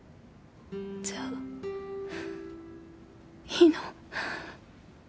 じゃあいいの？